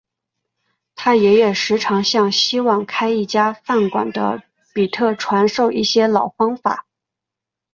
他爷爷时常向希望开一家饭馆的比特传授一些老方法。